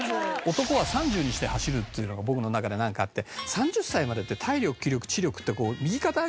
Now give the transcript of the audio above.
男は３０にして走るっていうのが僕の中でなんかあって３０歳までって体力気力知力って右肩上がりで上がっていくのよ。